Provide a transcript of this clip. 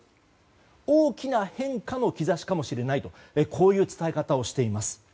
大きな変化の兆しかもしれないとこういう伝え方をしています。